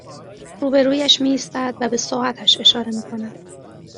روبرویش می ایستد و به ساعتش اشاره می کند